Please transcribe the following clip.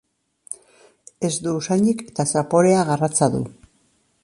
Ez du usainik eta zaporea garratza du.